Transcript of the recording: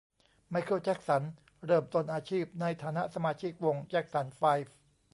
ไมเคิล แจ็คสัน เริ่มต้นอาชีพ ในฐานะสมาชิกวงแจ็คสันไฟว์